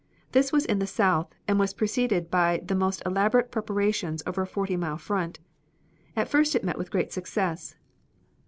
This was in the south, and was preceded by the most elaborate preparations over a forty mile front. At first it met with great success.